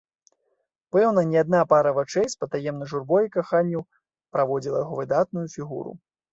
Пэўна, не адна пара вачэй з патаемнай журбой і каханнем праводзіла яго выдатную фігуру!